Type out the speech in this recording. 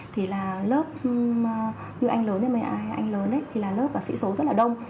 thì là lớp như anh lớn như anh lớn ý thì là lớp và sĩ số rất là đông